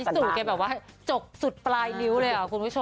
สู่แกแบบว่าจกสุดปลายนิ้วเลยคุณผู้ชม